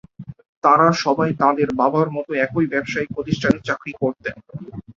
তাঁরা সবাই তাঁদের বাবার মতো একই ব্যবসায়িক প্রতিষ্ঠানে চাকরি করতেন।